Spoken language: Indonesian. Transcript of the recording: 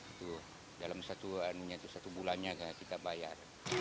itu dalam satu anunya satu bulannya kita bayar